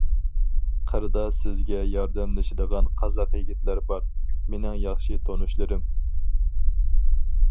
قىردا سىزگە ياردەملىشىدىغان قازاق يىگىتلەر بار، مېنىڭ ياخشى تونۇشلىرىم.